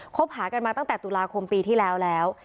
หากันมาตั้งแต่ตุลาคมปีที่แล้วแล้ว